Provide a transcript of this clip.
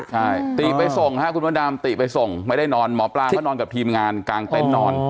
ใช่ติไปส่งค่ะคุณมดดำติไปส่งไม่ได้นอนหมอปลาก็นอนกับทีมงานกลางเต้นนอน